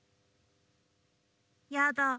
やだ。